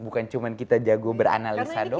bukan cuma kita jago beranalisa doang